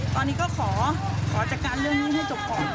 ตอนนี้ก็ขอจัดการเรื่องนี้ให้จบก่อน